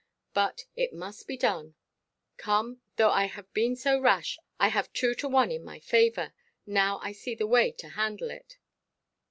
But it must be done. Come, though I have been so rash, I have two to one in my favour, now I see the way to handle it.